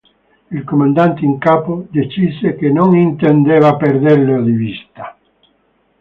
Il comandante in capo decise che "non intendeva perderlo di vista.